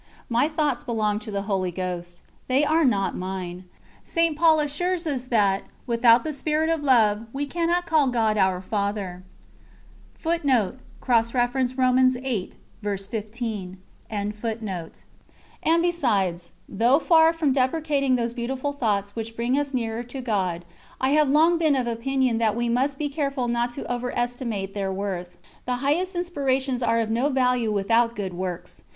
My thoughts belong to the Holy Ghost. They are not mine. St. Paul assures us that without the Spirit of Love, we cannot call God our Father. And besides, though far from depreciating those beautiful thoughts which bring us nearer to God, I have long been of opinion that we must be careful not to over estimate their worth. The highest inspirations are of no value without good works.